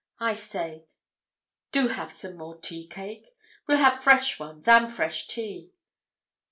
I say, do have some more tea cake? We'll have fresh ones—and fresh tea."